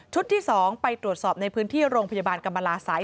ที่๒ไปตรวจสอบในพื้นที่โรงพยาบาลกรรมลาศัย